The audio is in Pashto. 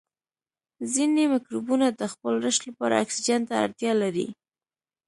ځینې مکروبونه د خپل رشد لپاره اکسیجن ته اړتیا لري.